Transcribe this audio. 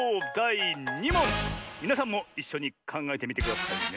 みなさんもいっしょにかんがえてみてくださいね！